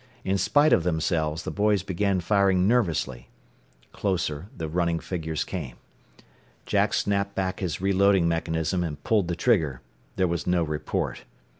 In spite of themselves, the boys began firing nervously. Closer the running figures came. Jack snapped back his reloading mechanism, and pulled the trigger. There was no report.